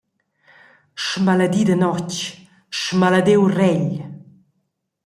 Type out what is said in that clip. Smaledida notg, smalediu regl!